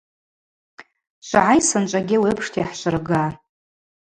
Швгӏай сынчӏвагьи ауи апшта йхӏшвырга.